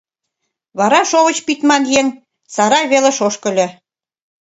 Вара шовыч пидман еҥ сарай велыш ошкыльо.